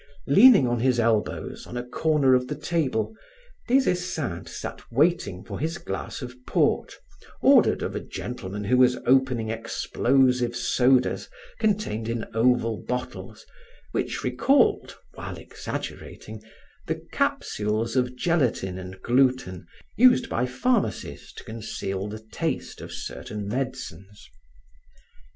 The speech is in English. Leaning on his elbows on a corner of the table, Des Esseintes sat waiting for his glass of port ordered of a gentleman who was opening explosive sodas contained in oval bottles which recalled, while exaggerating, the capsules of gelatine and gluten used by pharmacies to conceal the taste of certain medicines.